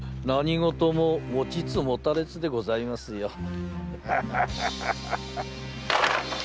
何事も持ちつ持たれつでございますよ。